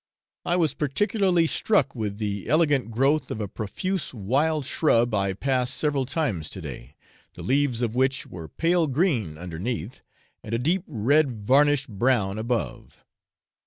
I was particularly struck with the elegant growth of a profuse wild shrub I passed several times to day, the leaves of which were pale green underneath, and a deep red, varnished brown above.